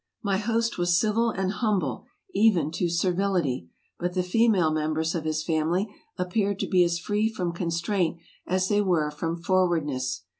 My host was civil and humble, even to servility; but the female members of his family appeared to be as free from constraint as they were from forwardness.